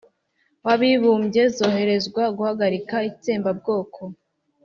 w'abibumbye zoherezwa guhagarika itsembabwoko,